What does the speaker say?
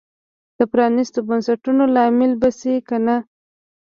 د پرانیستو بنسټونو لامل به شي که نه.